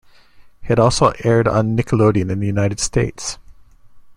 It also aired on Nickelodeon in the United States.